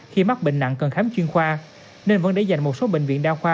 khi mắc bệnh nặng cần khám chuyên khoa nên vẫn để dành một số bệnh viện đa khoa